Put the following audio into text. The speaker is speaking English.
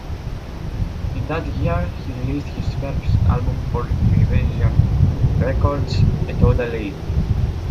In that year, he released his first album for Univision Records, A Toda Ley.